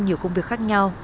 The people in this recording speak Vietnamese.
nhiều công việc khác nhau